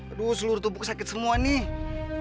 aduh seluruh tubuh sakit semua nih